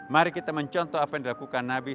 mari kita mencontoh apa yang dilakukan nabi